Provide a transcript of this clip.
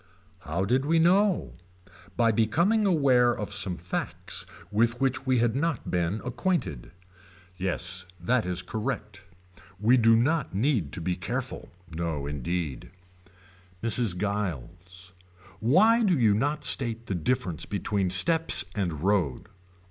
How did we know. By becoming aware of some facts with which we had not been acquainted. Yes that is correct. We do not need to be careful. No indeed. Mrs. Giles. Why do you not state the difference between steps and road.